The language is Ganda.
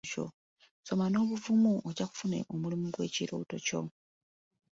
Ssoma n'obuvumu ojja kufuna omulimu gw'ekirooto kyo.